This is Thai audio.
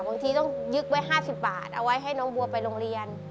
บางทีต้องยึกไว้๕๐บาทเอาไว้ให้น้องบัวไปโรงเรียน